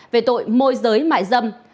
về tội môi giới mại dâm